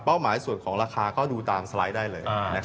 หมายส่วนของราคาก็ดูตามสไลด์ได้เลย